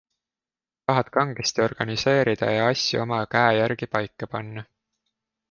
Tahad kangesti organiseerida ja asju oma käe järgi paika panna.